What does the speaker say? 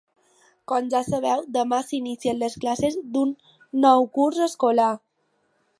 Com ja sabeu, demà s’inicien les classes d’un nou curs escolar.